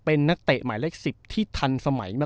เป็นนักเตะหมายเลข๑๐ที่ทันสมัยมาก